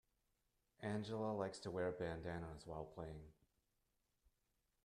Angela likes to wear bandanas while playing.